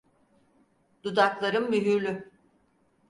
Dudaklarım mühürlü.